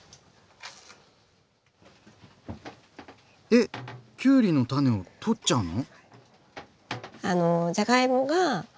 えっきゅうりの種を取っちゃうの？